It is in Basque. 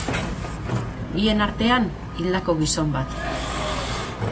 Bien artean, hildako gizon bat.